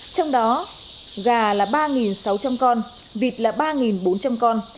trong đó gà là ba sáu trăm linh con vịt là ba bốn trăm linh con